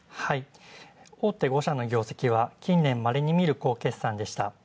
大手５社の業績は近年まれに見る好決算でした。